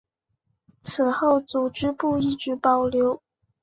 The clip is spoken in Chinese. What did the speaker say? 此后组织部一直保留。